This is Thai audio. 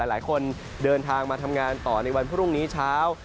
หลายคนเดินทางมาทำงานต่อในวันพรุ่งนี้เช้า